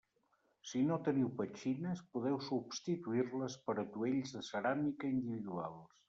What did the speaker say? Si no teniu petxines, podeu substituir-les per atuells de ceràmica individuals.